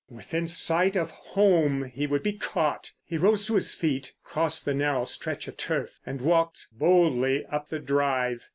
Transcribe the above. Within sight of home he would be caught. He rose to his feet, crossed the narrow stretch of turf and walked boldly up the drive.